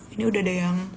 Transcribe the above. ini udah ada yang